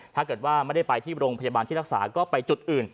ถ้าเกิดว่าไม่ได้ไปที่โรงพยาบาลที่รักษาก็ไปจุดอื่น